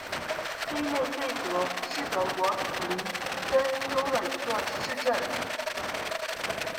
黑内贝格是德国图林根州的一个市镇。